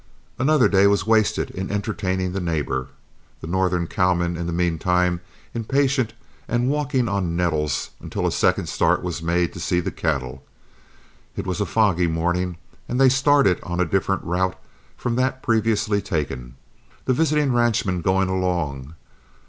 Another day was wasted in entertaining the neighbor, the northern cowman, in the meantime, impatient and walking on nettles until a second start was made to see the cattle. It was a foggy morning, and they started on a different route from that previously taken, the visiting ranchman going along.